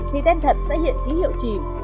thì tem thật sẽ hiện ký hiệu chìm